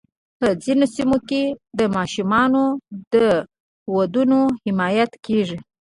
په ځینو سیمو کې د ماشومانو د ودونو حمایت کېږي.